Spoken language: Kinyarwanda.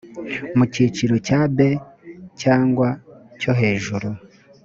mu cyiciro cya b cyangwa cyo hejuru